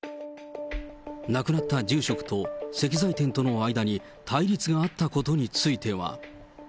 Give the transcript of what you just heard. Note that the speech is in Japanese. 亡くなった住職と石材店との間に対立があったことについては。